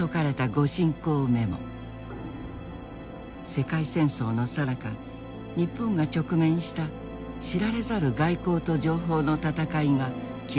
世界戦争のさなか日本が直面した知られざる外交と情報の戦いが記録されていた。